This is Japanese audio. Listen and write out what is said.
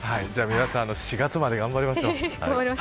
皆さん４月まで頑張りましょう。